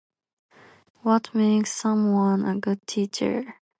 What makes someone a good teacher?